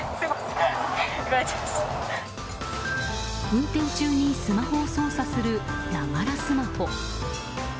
運転中にスマホを操作するながらスマホ。